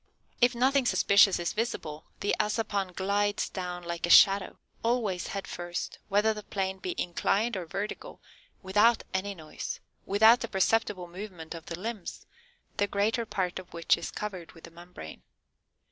If nothing suspicious is visible, the Assapan glides down like a shadow, always head first, whether the plane be inclined or vertical, without any noise, without a perceptible movement of the limbs, the greater part of which is covered with the membrane.